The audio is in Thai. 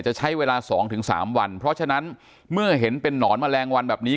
จะใช้เวลา๒๓วันเพราะฉะนั้นเมื่อเห็นเป็นนอนแมลงวันแบบนี้